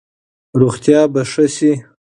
روغتیا به ښه شي.